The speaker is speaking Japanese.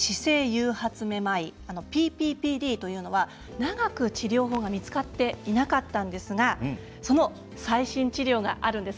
誘発めまいＰＰＰＤというのは長く治療法が見つかっていなかったんですがその最新治療があるんです。